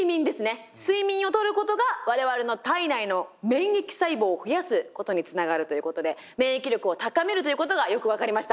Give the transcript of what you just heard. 睡眠をとることが我々の体内の免疫細胞を増やすことにつながるということで免疫力を高めるということがよく分かりました。